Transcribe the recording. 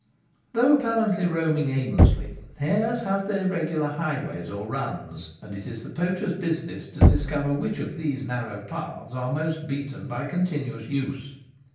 Though apparently roaming aimlessly, hares have their regular highways or i runs ;' and it is the poacher's business to discover which of these narrow paths are most beaten by continuous use.